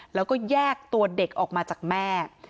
แล้วก็แยกตัวเด็กออกมาจากแม่